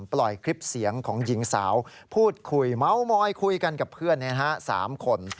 ปล่อยคลิปเสียงของหญิงสาวพูดคุยเมาส์มอยคุยกันกับเพื่อน๓คน